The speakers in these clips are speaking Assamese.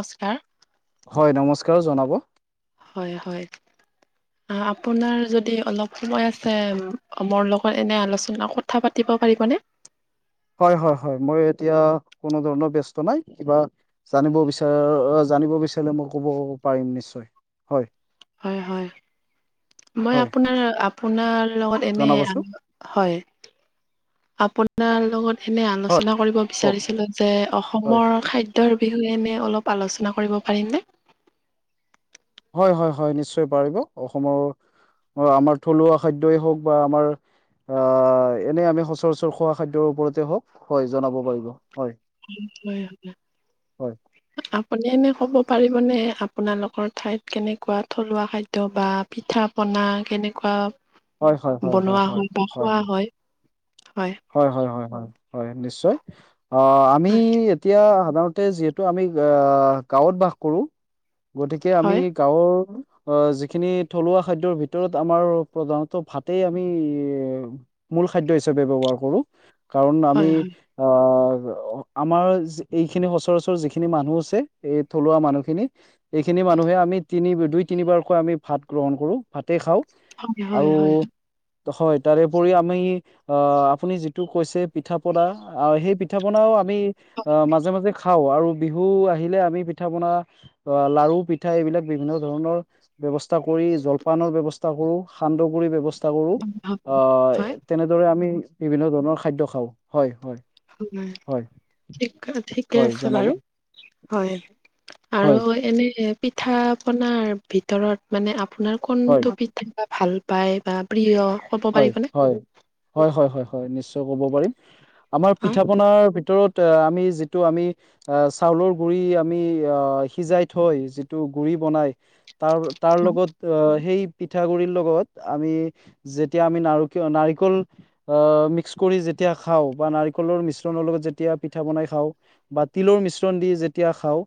নমস্কাৰ। হয় নমস্কাৰ জনাব। হয় হয়। আপোনাৰ যদি অলপ সময় আছে, মোৰ লগত এনে আলোচনা কথা পাতি পাৰিবনে? হয়, হয়, হয়। মই এতিয়া কোনো ধৰণৰ ব্যস্ত নাই, কিবা জানিব বিচাৰা জানিব বিচাৰিলে মই ক'ব পাৰিম নিশ্চয় হয়। হয়, হয়। মই হয় আপোনাৰ আপোনাৰ লগত এনে জনাবচোন [unintelligible] হয়। আপোনাৰ লগত এনে হয় আলোচনা কৰিব কওক বিচাৰিছিলো যে হয় অসমৰ খাদ্যৰ বিষয়ে আমি অলপ আলোচনা কৰিব পাৰিম নে? হয়, হয়, হয়। নিশ্চয় পাৰিব অসমৰ আমাৰ থলুৱা খাদ্যই হওঁক বা আমাৰ অহ' এনেই আমি সচৰাচৰ খোৱা খাদ্যৰ ওপৰতে হওঁক, হয় জনাব পাৰিব। হয় [unintelligible] আপুনি এনে ক'ব পাৰিবনে আপোনালোকৰ ঠাইত কেনেকুৱা থলুৱা খাদ্য বা পিঠা পনা কেনেকুৱা হয়, হয়, হয়। বনোৱা বা খোৱা [unintelligible] হয় হয়, হয়, হয়। হয়, নিশ্চয় অহ, আমি হয় এতিয়া সাধাৰণতে যিহেতু আমি অহ, গাঁৱত বাস কৰো, গতিকে আমি হয় গাঁৱৰ অহ' যিখিনি থলুৱা খাদ্যৰ ভিতৰত আমাৰ প্ৰধানত ভাতেই আমি, মূল খাদ্য হিচাপে ব্যৱহাৰ কৰো। কাৰণ আমি হয় হয় আ আমাৰ এইখিনি সচৰাচৰ যিখিনি মানুহ আছে, এই থলুৱা মানুহ খিনিৰ এইখিনি মানুহে আমি তিনি, দুই তিনিবাৰকৈ আমি ভাত গ্ৰহণ কৰো, ভাতে খাওঁ। হয়, হয়, আৰু হয়। হয়, তাৰেপৰি আমি অহ, আপুনি যিটো কৈছে পিঠা পনা সেই পিঠা পনাও আমি হয় অহ, মাজে মাজে খাওঁ আৰু বিহু আহিলে আমি পিঠা বনা অ' লাৰু পিঠা এইবিলাক বিভিন্ন ধৰণৰ ব্যৱস্থা ক কৰি জলপানৰ ব্যৱস্থা কৰোঁ, সান্দহ গুৰি ব্যৱস্থা কৰোঁ। অহ' হয় এ তেনেদৰে আমি বিভিন্ন ধৰণৰ খাদ্য খাওঁ। হয়, হয়। তোমাৰ। হয় ঠিক অ', ঠিকে হয় আছে জনাব বাৰু। হয়, আৰু হয় এনেই পিঠা-পনাৰ ভিতৰত মানে, আপোনাৰ হয় কোনটো পিঠা বা ভাল পায় বা প্ৰিয়? ক'ব হয়, পাৰিবনে হয়। হয়, হয়, হয়, হয়। নিশ্চয় ক'ব পাৰিম। আমাৰ হা পিঠা-পনাৰ ভি ভিতৰত অ' আমি যিটো আমি অ' চাউলৰ গুৰি আমি অ' সিজাই থৈ যিটো গুৰি বনাই, তাৰ-তাৰ লগত অহ, সেই পিঠা গুৰিৰ লগত আমি যেতিয়া আমি নাৰকিয়, নাৰিকল অহ, মিক্স কৰি যেতিয়া খাওঁ, বা নাৰিকলৰ মিশ্ৰণৰ লগত যেতিয়া পিঠা বনাই খাওঁ। বা তিলৰ মিশ্ৰণ দি যেতিয়া খাওঁ।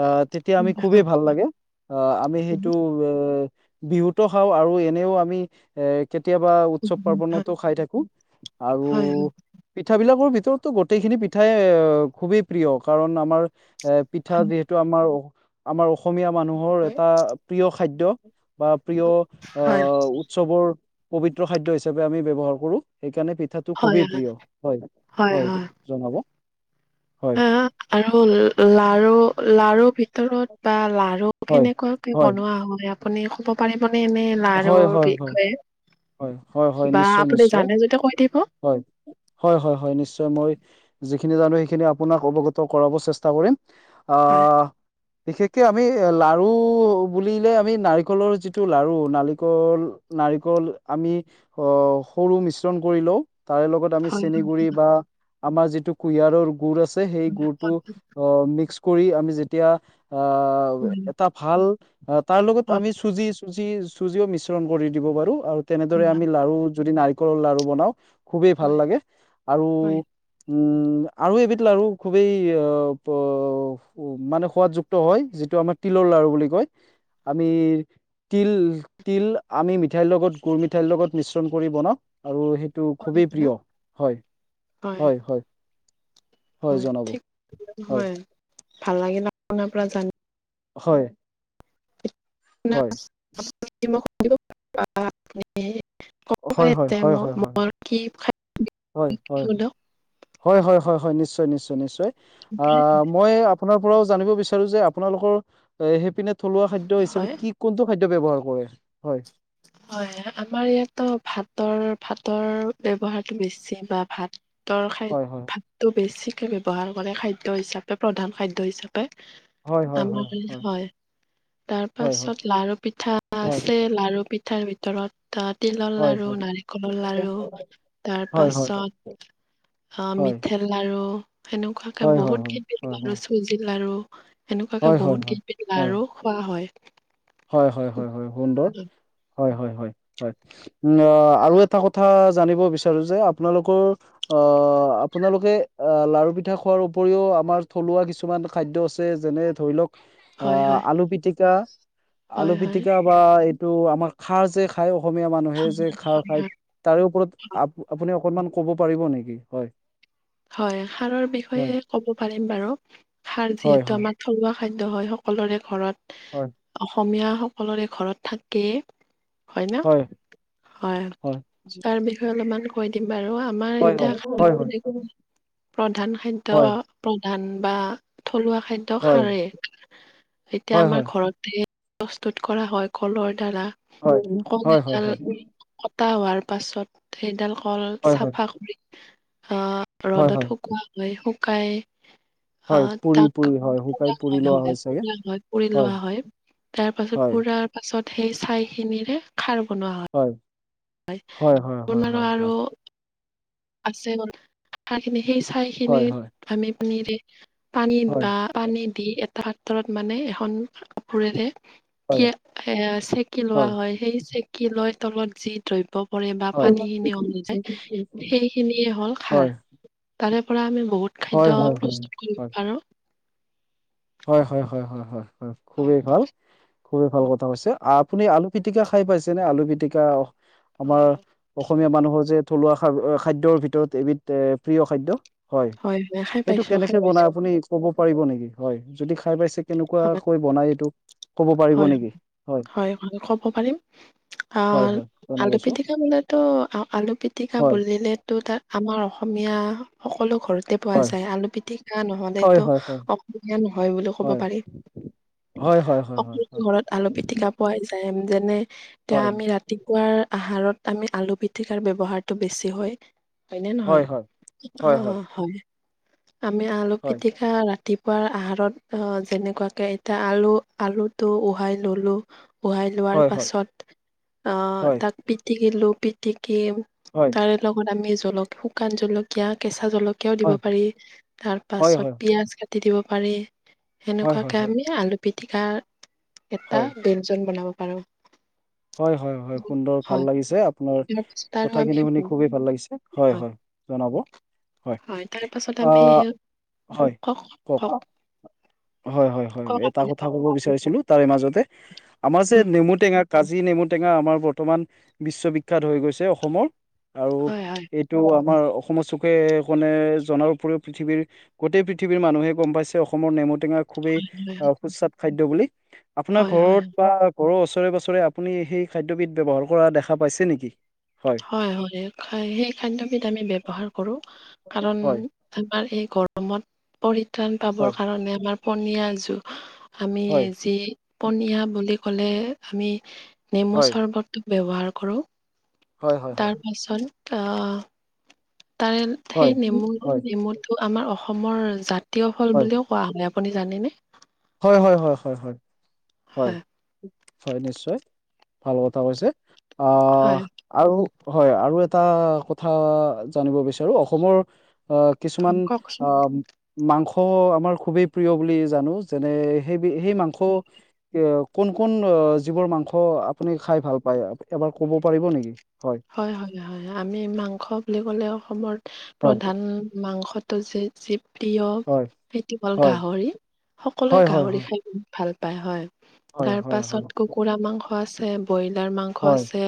অহ' তেতিয়া আমি খুবেই ভাল লাগে। অহ, আমি সেইটো এ বিহুতো খাওঁ, আৰু এনেও আমি এ কেতিয়াবা উৎসৱ-পাৰ্বনতো খাই থাকোঁ। আৰু হয় পিঠাবিলাকৰ ভি তৰতো গোটেইখিনি পিঠাই অহ, খুবেই প্ৰিয়। কাৰণ আমাৰ এ পিঠা হয় যিহেতু আমাৰ অ আমাৰ অসমীয়া মানুহৰ এটা প্ৰিয় খাদ্য। বা প্ৰিয় হয় অহ' উৎসৱৰ পবিত্ৰ খাদ্য হিচাপে আমি ব্যৱহাৰ কৰোঁ। সেইকাৰণে পিঠাটো খুবেই প্ৰিয়। হয়, হয়, জনাব। হয়। আৰু লাৰু, লাৰু ভিতৰত, বা লাৰু হয় কেনেকুৱাকে হয় বনোৱা হয় আপ আপুনি ক'ব পাৰিবনে, এনেই হয় হয় লাৰুৰ হয় বিষয়ে? হয়, হয় হয়। বা নিশ্চয় আপুনি নিশ্চয়। জানে যদি কৈ দিব হয়, হয় হয় হয় নিশ্চয়, মই যিখিনি জানোঁ সেইখিনি আপোনাক অৱগত কৰাব চেষ্টা কৰিম। হয় অহ বিশেষকে আমি লাৰু বুলিলে, আমি নাৰিকলৰ যিটো লাৰু নাৰিকল, নাৰিকল, আমি অহ, সৰু মিশ্ৰণ কৰি লওঁ। তাৰে লগত আমি হয়, চেন গুৰি, বা আমাৰ যিটো কুঁহিয়াৰৰ গুৰ আছে- যে সেই গুৰটো অ' মিক্স কৰি আমি যেতিয়া- আ' উ হয়, এটা ভাল, অ' তাৰ লগত হয়, আমি চুজি-চুজি - চুজিও মিশ্ৰণ কৰি দিব পাৰোঁ। আৰু তেনেদৰে আমি লাৰু, যদি নাৰিকলৰ লাৰু বনাওঁ- খুবে ভাল হয়, লাগে। আৰু, হয়, হয়, উম- আৰু এবিধ লাাৰু খুবেই অ', ব, অ' মানে সোৱাদযুক্ত হয়। যিটো আমাৰ তিলৰ- লাৰু বুলি কয়। আমি তিল- তিল, আমি মিঠাইৰ লগত, গুৰ মিঠাইৰ লগত মিশ্ৰণ কৰি বনাওঁ। আৰু সেই- টো হয়, খুবেই হয়, প্ৰিয়। হয়, হয় হয়। হয় থিক। হয়, ভাল লাগিল আপোনাৰ পৰা জান- হয়। [unintelligible] [unintelligible] [unintelligible] [unintelligible] হয় হয় হয় হয় হয় হয় [unintelligible] মোৰ কি [unintelligible] হয়, হয়। সুলভ হয় হয় হয় হয়, নিশ্চয় নিশ্চয় নিশ্চয়। আ', মই আপোনাৰ পৰাও জানিব বিচাৰোঁ যে, আপোনালোকৰ এ সেই- পিনে থলুৱা খাদ্য হিচাপে, হয়, কি কোনটো খাদ্য ব্যৱহাৰ কৰে? হয়। হয়, আমাৰ ইয়াতো ভাতৰ, ভাতৰ ব্যৱহাৰটো বেছি। বা ভাত- তৰ খাই, হয় হয় ভাতটো বেছিকে ব্যৱহাৰ কৰে খাদ্য হিচাপে। প্ৰধান খাদ্য হিচাপ- পে। হয় হয় হয় আমি, হয়। তাৰ হয় হয় পাছত লাৰু পিঠা হয় আছে। লাৰু পিঠাৰ ভিতৰত- ত তিলৰ হয় লাৰু, হয় নাৰিকলৰ লাৰু। তাৰ হয় হয় পাছত- অ' হয় মিঠা লাৰু, সেনেকুৱাকে হয় হয় হয় হয় বহুত [unintelligible] চুজি লাৰু। এনেকুৱাকে হয় হয় বহুত হয় কেইটা হয় লাৰু খোৱা হয়। হয় হয় হয় হয়, সুন্দৰ। আৰু এটা কথা জানিব বিচাৰো যে আপোনালোকৰ অ আপোনালোকে অ লাৰু পিঠা খোৱাৰ উপৰিও আমাৰ থলুৱা কিছুমান খাদ্য আছে যেনে ধ লক হয় হয় আলু পি আল হয় পি হয় টো আমাৰ খাৰ যে খাই অসমীয়া মানুহে যে খাৰ খায় হয় তাৰে ওপৰত আ আপুনি অকনমান ক'ব পাৰিব নেকি হয় হয় সাৰৰ হয় বিষয়ে কব পাৰিম বাৰু সাৰ হয় যিহেতু হয় আমাৰ থলুৱা খাদ্য হয় সকলোৰে ঘৰত হয় অসমীয়া সকলোৰে ঘৰত থাকে হয় ন হয় তাৰ বিষয়ে অলপমান কৈ দিম বাৰু আমাৰ হয় এতিয়া হয় হয় সতি প্ৰধান খাদ্য হয় প্ৰধান বা থলুৱা খাদ্য হয় খাৰে এতিয়া হয় আমাৰ হয় ঘৰতে প্ৰস্তুত কৰা হয় কলৰ দ্বাৰা হয় কল হয় হয় হয় এডাল হয় টা হোৱাৰ পাছত সেইডাল কল হয় চাফা কৰি আহ হয় ৰ'দত হয় শুকোৱা হয় শুকাই হয় আহ পুৰি তাক পুৰি প শুকাই হয় পুৰি লোৱা হয় প চাগে হয় পুৰি লোৱা হয় তাৰ পাছত হয় পুুৰাৰ পাছত সেই ছাই খিনিৰে খাৰ হয় হয় হয় বনোৱা আৰু হয় আছে তাৰ সেই হয় হয় চাইখিনিত আমি নিৰি পানীত হয় বা পানী দি এটা হাতৰত মানে এখন কাপোৰেৰে হয় হয় এ চেকি লোৱা হয় সেই চেকি লৈ তলত যি দ্ৰব্য বা হয় হয় পানী খিনিায় সেইখিনিয়ে হ'ল খাৰ তাৰে পৰা আমি বহুত হয় হয় হয় খাদ্য হয় হয় প্ৰস্তুত কৰিব আৰুাৰো হয় হয় খুবেই ভাল কওকচোন। খুবেই ভাল কথা হৈছে আপ আপুনি আলু পিটিকা খাই পাইছেনে আলু পিটিকা হয় আমাৰ হয়, নিশ্চয়। অসমীয়া মানুহৰ যে থলুৱা খ খাদ্যৰ ভিতৰত এবিধ প্ৰিয় খাদ্য হয় হয় খাই সেইটো পাইছোঁ খাই কেনেকে বনাই পাইছোঁ আপুনি ক'ব পাৰিব নেকি হয় যদি খাই পাইছে হয় কেনেকুৱাকৈ বনাই এইটোক কব পৰিব হয় নেকি? হয় কব পাৰিম। হয় অ' হয় আলু জনাবচোন পিতিকা বোলেতো আলু পিটিকা হয় বুলিলেতো তাক আমাৰ অসমীয়া সকলো ঘৰতে পোৱা হয় যায় আলু পিটিকা হয় নহলেতো হয় হয় অসুবিধা নহয় বুলি ক'ব পাৰি। হয় হয়। হয় অকল হয় ঘৰত আলু পিতিকা পোৱাই যায় যেনে এতিয়া হয় আমি ৰাতিপুৱাৰ আহাৰত আমি আলু পিতিকাৰ বেবহাৰটো বেছি হয়। হয় নে নহয় হয় হয় হয় অ', অ' হয়। আমি আলু পিটিকা ৰাতিপুৱাৰ আহাৰত যেনেকুৱাকে এতিয়া আলু আলুটো উহাই ললো বহাই লোৱাৰ হয় হয় হয় পাছত অ' হয় তাক পিটিকিলো পিটিকি কি হয় তাৰে লগত আমি শুকান জলকীয়া কেঁচা কেচা জলকীয়াও দিব পাৰি তাৰ হয় হয় হয় হয় পাছত হয় পিয়াজ কাটি দিব পাৰি। হয় হয় সেনেকুৱাকে আমি আলু পিটিকা এটা ব্যঞ্জন বনাব পাৰু। পাৰু। হয়, হয়, হয় সুন্দৰ ভাল লাগিছে আপোনাৰ তাৰ পাছত আৰু আমি কথাখিনি শুনি খুবেই ভাল লাগিছে হয় হয় জনাব হয় তাৰ পাছত আমি অ' হয় কওক? হয়, হয়, হয় কওক এটা আপুনি কথা কওক, ক'ব বিচাৰিছিলো তাৰে মাজতে আমাৰ যে উম, নেমু টেঙা কাজি নেমু টেঙা আমাৰ বৰ্তমান বিশ্ববিখ্যাত হৈ গৈছে অসমৰ। আৰু হয়, হয়, এইটো আমাৰ অসমৰ চুকে কনে জনাৰ উপৰিও পৃথিৱীৰ গোটেই পৃথিৱীৰ মানুহে গম পাইছে অসমৰ নেমু খুবেই হয়, সুস্বাদ খাদ্য বুলি আপোনাৰ হয়, হয়। ঘৰত বা ঘৰৰ উছৰে আপুনি সেই খাদ্যবিধ ব্যৱহাৰ কৰা দেখা পাইছে নেকি? হয়, হয় সেই খাদ্যবিধ আমি ব্যৱহাৰ কৰো কাৰণ হয় আমাৰ এই গৰমত পৰিত্ৰাণ পাবৰ হয় কাৰণে আমাৰ পনীয়াযোৰ আমি হয় যি পনীয়া বুলি কলে আমি নেমু চৰ্বতটো ব্যৱহাৰ কৰোঁ। হয় হয় তাৰ হয় পাছত আ তাৰে হয় সেই নেমু হয় হয় নেমু টো আমাৰ অসমৰ জাতীয় ফল বুলিও কোৱা হয়। আপুনি জানেনে? হয়, হয়, হয়, হয় হয় নিশ্চয়। ভাল কথা কৈছে অ' হয় আৰু হয় আৰু এটা কথা জানিব বিচাৰো অসমৰ অ' কিছুমান কওকচোন অ' মাংস আমাৰ খুবেই প্ৰিয় বুলি জানো যেনে সেই সেই মাংস কোন কোন যিবোৰ মাংস আপুনি খাই ভাল পায় এবাৰ ক'ব পাৰিব নেকি? হয়, হয়, হয় আমি মাংস বুলি ক'লে অসমৰ হয় প্ৰধান মাংসটো যে যি প্ৰিয় হয় সেইটো হ'ল হয় গাহৰি। সকলোৱে হয় হয় গাহৰি হয় খাই বহুত ভাল পায় হয় হয় তাৰ হয় পাছত হয় কুকুৰা মাংস আছে। ব্ৰইলাৰ মাংস হয় আছে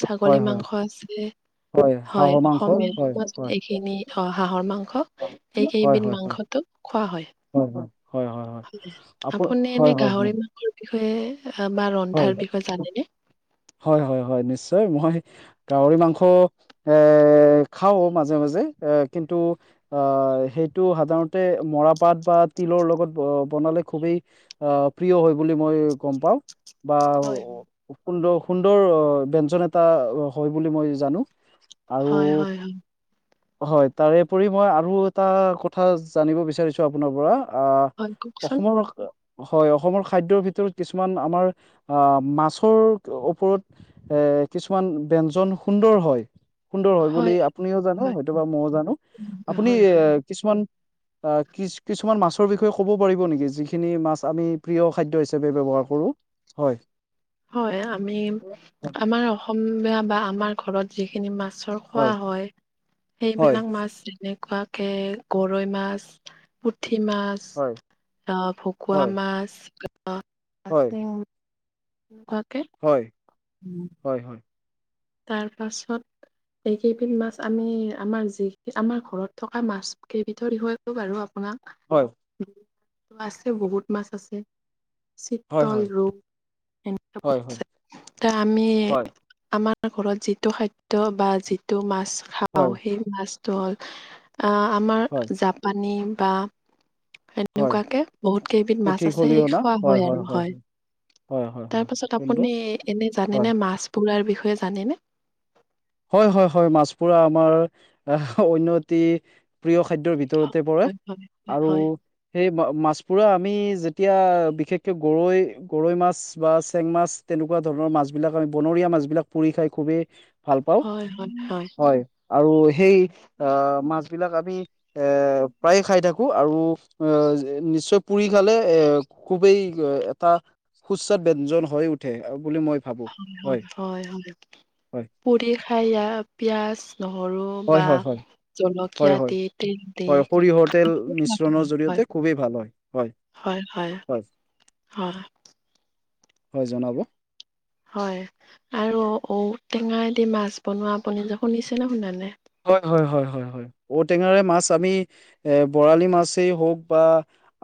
ছাগলী হয় হয় মাংস আছে। হয় হাঁহৰ মাংস অসমীয়া হয় হয় সমাজত হয় এইখিনি হাঁহৰ মাংস এই হয় কেইবিধ হয় হয় মাংসটো খোৱা হয় হয় হয় হয় হয় আপো আপুনি এনে হয় হয় গাহৰি হয় মাংসৰ বিষয়ে আ বা হয়, ৰন্ধাৰ বিষয়ে জানেনে? হয়- হয় -হয় নিশ্চয় মই গাহৰি মাংস এ খাওঁ মাজে মাজে এ কিন্তু আ হয় সেইটো সাধাৰণতে মৰাপাত বা তিলৰ লগত বনালে খুবেই অ' প্ৰিয়। হয় বুলি মই গম পাওঁ। বা হয়। সুন্দৰ সুন্দৰ ব্যঞ্জন এটা হয় বুলি মই জানো। আৰু হয় -হয়- হয়। হয় তাৰেপৰি মই আৰু এটা কথা জানিব বিচাৰিছোঁ আপোনাৰ পৰা অ', হয় কওকচোন? অসমৰ হয় অসমৰ খাদ্যৰ ভিতৰত কিছুমান আমাৰ অ', মাছৰ ওপৰত এ কিছুমান ব্যঞ্জন সুন্দৰ হয়। সুন্দৰ হয় বুলি আপুনিও জানে হয়। হয়তোবা ময়ো জানো আপুনি হয়, এ হয়। কিছুমান অ', কিছু কিছুমান মাছৰ বিষয়ে ক'ব পাৰিব নেকি যিখিনি মাছ আমি প্ৰিয় খাদ্য হিচাপে ব্যৱহাৰ কৰোঁ। হয়। হয় আমি আমাৰ অসমীয়া বা আমাৰ ঘৰত যিখিনি মাছ মাছৰ খোৱা হয় হয় সেইবিলাক মাছ যেনে কুৱাকে গৰৈ মাছ। পুঠি মাছ হয় আ, ভকুৱা হয় মাছ ছেং [inaudible] হয় হয় হয় তাৰ পাছত এই কেইবিধ মাছ আমি আমাৰ যি আমাৰ ঘৰত থকা মাছ কেইবিধৰ বিষয়ে কলো বাৰু। অকনমান হয় আছে বহুত মাছ আছে। হয় হয় চিতল হয় ৰূপ এনে আ, হয় হয় এ আমি হয় আমাৰ আমাৰ ঘৰত যিটো খাদ্য বা যিটো মাছ খাওঁ হয় সেই মাছটো হ'ল আ, হয় আমাৰ জাপানী বা হয় সেনেকুৱাকে বহুত কেইবিধ মাছ আছে সেই খোৱা হয় আৰু হয়। হয় হয় হয় তাৰপাছত সুন্দৰ আপুনি এনে হয় জানেনে মাছ পোৰাৰ বিষয়ে জানেনে? হয় হয় হয় মাছ পোৰা আমাৰ অন্য এটি প্ৰিয় খাদ্যৰ ভিতৰতে পৰে হয়, হয়, আৰু হয়। সেই মাছ পোৰা আমি যেতিয়া বিশেষকে গৰৈ গৰৈ মাছ বা চেং মাছ তেনেকুৱা ধৰণৰ মাছবিলাক আমি বনৰীয়া মাছবিলাক পুৰি খাই খুবেই ভাল পাওঁ হয়, হয়, হয় আৰু সেই আ, মাছবিলাক আমি এ প্ৰায়েই খাই থাকো আৰু ও, যেতিয়া নিশ্চয় পুৰি খালে এ খুবেই এটা সুস্বাদ ব্যঞ্জন হৈ উঠে। বুলি মই ভাবোঁ। হয়, হয়, হয়, হয়, হয়, পুৰি খাইয়া পিয়াজ নহৰু হয়, বা হয়, হয়, জলকীয়া হয়, হয়। দি তেল হয় সৰিয়হৰ তেল দি মিশ্ৰণৰ হয়। জৰিয়তে খুবেই ভাল হয়, হয় হয়, হয় হয়। হয় জনাব। হয় আৰু ঔটেঙাদি মাছ বনোৱা আপুনি যে শুনিছে নে শুনা নাই? হয়, হয়, হয়, হয়, হয়, ঔটেঙাৰে মাছ আমি এ বৰালি মাছেই হওঁক বা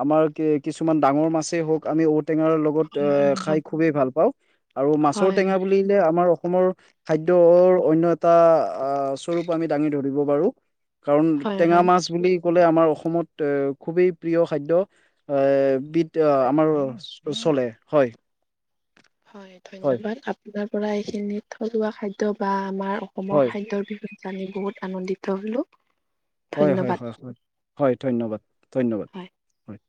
আমাৰ কি কিছুমান ডাঙৰ মাছেই হওঁক আমি ঔ ঔটেঙাৰ লগত এ খাই হয়, খুবেই ভাল পাওঁ আৰু মাছৰ হয়, টেঙা বুলিলে আমাৰ অ অসমৰ খাদ্যৰ অন্য এটা আহ স্বৰূপ আমি দাঙি ধৰিব পাৰোঁ। কাৰণ হয়, হয়। টেঙা মাছ বুলি ক'লে আমাৰ অ অসমত এ খুবেই প্ৰিয় খাদ্য এ বিধ আ, আমাৰ চলে হয়। হয়, ধন্যবাদ। আপোনাৰ পৰা এইখিনিত থলুৱা খাদ্য বা আমাৰ অসমৰ হয় খাদ্যৰ বিষয়ে জানি বহুত আনন্দিত হলোঁ। হয়, হয়, হয়, হয়, হয় ধন্যবাদ, ধন্যবাদ হয় হয়।